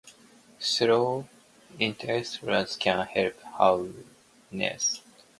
These low-interest loans can help homeowners.